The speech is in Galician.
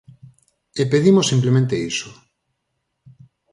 E pedimos simplemente iso.